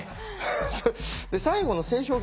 最後の性表現